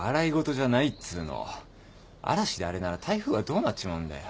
嵐であれなら台風はどうなっちまうんだよ。